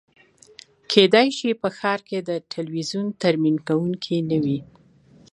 کیدای شي په ښار کې د تلویزیون ترمیم کونکی نه وي